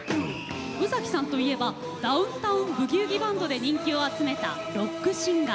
宇崎さんといえばダウン・タウン・ブギウギ・バンドで人気を集めたロックシンガー。